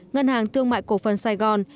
ngân hàng thương mại cổ phần sài gòn